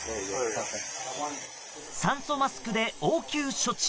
酸素マスクで応急処置。